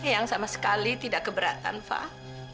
yang sama sekali tidak keberatan pak